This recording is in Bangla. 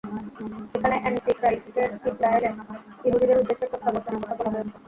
যেখানে অ্যান্টিক্রাইস্টের ইজরায়েলে ইহুদীদের উদ্দেশ্যে প্রত্যাবর্তনের কথা বলা হয়েছে।